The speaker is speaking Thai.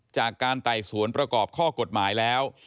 จากการไต่สวนประกอบข้อกฎหมายแล้ว